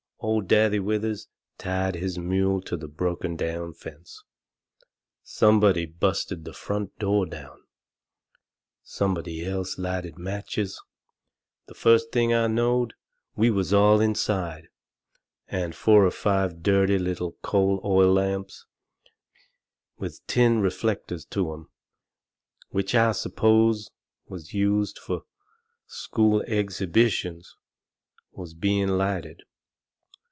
Old Daddy Withers tied his mule to the broken down fence. Somebody busted the front door down. Somebody else lighted matches. The first thing I knowed, we was all inside, and four or five dirty little coal oil lamps, with tin reflectors to 'em, which I s'pose was used ordinary fur school exhibitions, was being lighted.